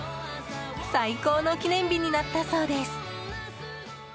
最高の記念日になったそうです。